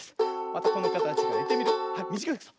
またこのかたちからいってみるよ。